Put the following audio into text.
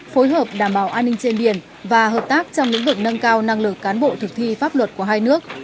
phối hợp đảm bảo an ninh trên biển và hợp tác trong lĩnh vực nâng cao năng lực cán bộ thực thi pháp luật của hai nước